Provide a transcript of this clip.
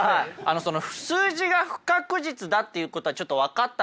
その数字が不確実だっていうことはちょっと分かったんですけど